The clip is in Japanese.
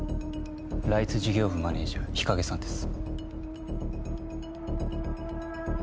ライツ事業部マネージャー日影さんです